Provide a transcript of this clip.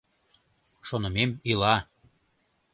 Шонымем ила.